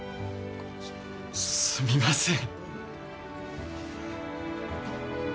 すすみません。